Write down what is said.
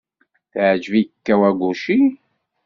Teɛjeb-ik Kawaguchi.